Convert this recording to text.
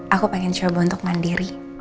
aku pengen coba untuk mandiri